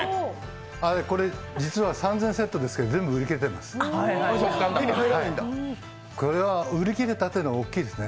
これ、実は３０００セットですけど全部売り切れてます。